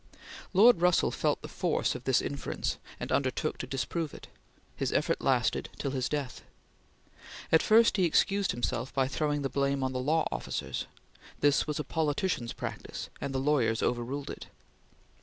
Lord Russell felt the force of this inference, and undertook to disprove it. His effort lasted till his death. At first he excused himself by throwing the blame on the law officers. This was a politician's practice, and the lawyers overruled it.